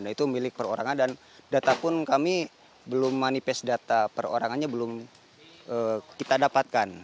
nah itu milik perorangan dan data pun kami belum manifest data perorangannya belum kita dapatkan